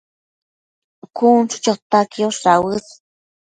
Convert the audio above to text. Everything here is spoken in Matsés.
cun chu chota quiosh dauës